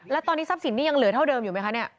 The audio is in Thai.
แล้วตอนนี้ทรัพย์สินนี่ยังเหลือเท่าเดิมอยู่ไหมคะเนี่ย